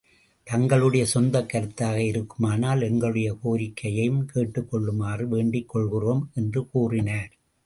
தங்களுடைய சொந்தக் கருத்தாக இருக்குமானால், எங்களுடைய கோரிக்கையையும் கேட்டுக் கொள்ளுமாறு வேண்டிக் கொள்கிறோம், என்று கூறினர்.